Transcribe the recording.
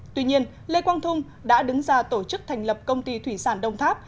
tuy nhiên lê quang thung đã đứng ra tổ chức thành lập công ty thủy sản đông tháp